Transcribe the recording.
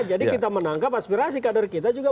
jadi kita menangkap aspirasi kader kita juga